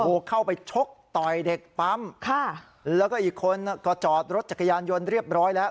โอ้โหเข้าไปชกต่อยเด็กปั๊มค่ะแล้วก็อีกคนก็จอดรถจักรยานยนต์เรียบร้อยแล้ว